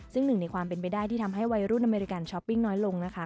ซึ่งหนึ่งในความเป็นไปได้ที่ทำให้วัยรุ่นอเมริกันช้อปปิ้งน้อยลงนะคะ